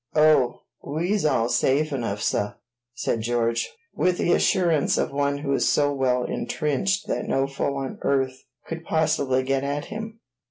"Oh, we's all safe enough, suh," said George, with the assurance of one who is so well intrenched that no foe on earth could possibly get at him.